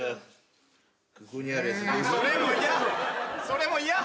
それも嫌！